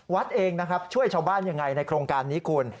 วัดเองนะครับช่วยชาวบ้านยังไงในโครงการนี้คุณ